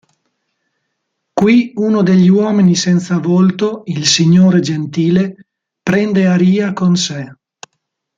Qui uno degli Uomini Senza Volto, "il Signore Gentile", prende Arya con sé.